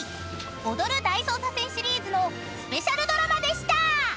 ［『踊る大捜査線』シリーズのスペシャルドラマでした］